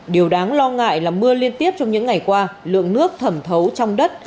điều đáng lo ngại là mưa liên tiếp trong những ngày qua lượng nước thẩm thấu trong đất